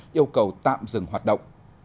yêu cầu tạm dừng hoạt động